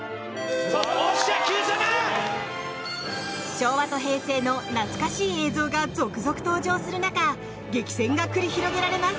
昭和と平成の懐かしい映像が続々登場する中激戦が繰り広げられます。